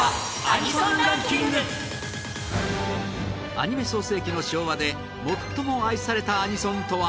アニメ創成期の昭和で最も愛されたアニソンとは？